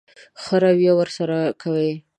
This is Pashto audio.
ښه رويه ورسره کوئ.